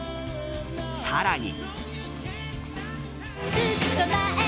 更に。